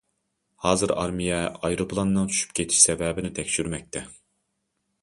ھازىر ئارمىيە ئايروپىلاننىڭ چۈشۈپ كېتىش سەۋەبىنى تەكشۈرمەكتە.